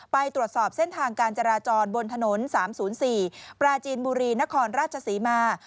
ไปตรวจสอบเส้นทางการจราจรบนถนน๓๐๔ปราจีนบุรีนครราชศรีมา